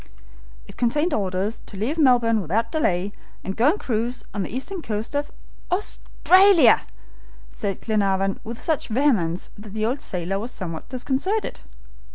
"It contained orders to leave Melbourne without delay, and go and cruise on the eastern coast of " "Australia!" said Glenarvan with such vehemence that the old sailor was somewhat disconcerted.